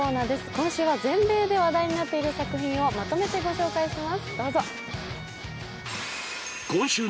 今週は全米で話題になっている作品をまとめてご紹介します。